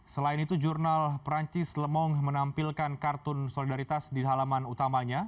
selain itu jurnal perancis lemong menampilkan kartun solidaritas di halaman utamanya